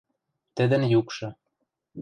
тӹдӹн юкшы